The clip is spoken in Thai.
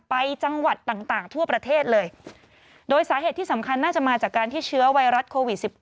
ไปจังหวัดต่างทั่วประเทศเลยโดยสาเหตุที่สำคัญน่าจะมาจากการที่เชื้อไวรัสโควิด๑๙